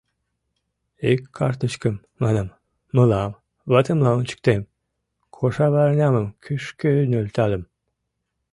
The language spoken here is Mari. — Ик картычкым, — манам, — мылам, ватемлан ончыктем, — кошарварнямым кӱшкӧ нӧлтальым.